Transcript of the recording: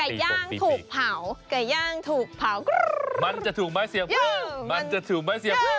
ย่างถูกเผาไก่ย่างถูกเผามันจะถูกไม้เสียบเพิ่มมันจะถูกไหมเสียผู้